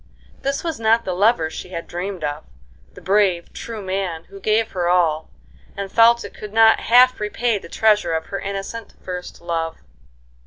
This was not the lover she had dreamed of, the brave, true man who gave her all, and felt it could not half repay the treasure of her innocent, first love.